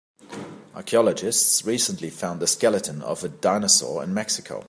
Archaeologists recently found the skeleton of a dinosaur in Mexico.